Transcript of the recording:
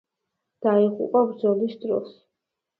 დაიღუპა ბრძოლის დროს.